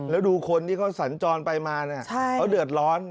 แล้วดูคนที่เขาสัญจรไปมาเขาเดือดร้อน